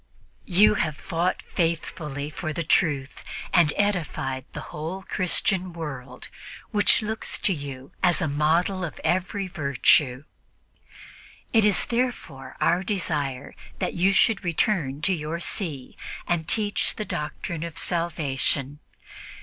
You have fought faithfully for the Truth and edified the whole Christian world, which looks to you as a model of every virtue. It is therefore our desire that you should return to your See and teach the doctrine of salvation.